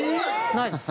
ないです。